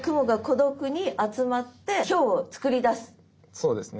そうですね。